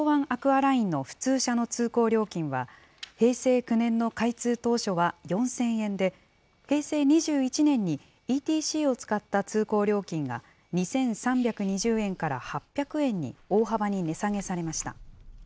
アクアラインの普通車の通行料金は、平成９年の開通当初は４０００円で、平成２１年にＥＴＣを使った通行料金が、２３２０円から８００円に大幅に値下げされました。